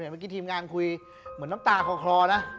เมื่อกี้ทีมงานคุยเหมือนน้ำตาคลอนะ